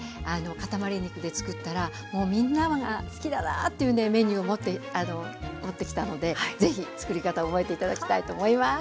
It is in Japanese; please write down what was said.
かたまり肉で作ったらもうみんなが好きだなって言うメニューを持ってきたのでぜひ作り方を覚えて頂きたいと思います。